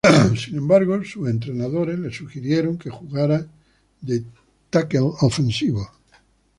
Sin embargo, sus entrenadores le sugirieron que jugara de tackle ofensivo.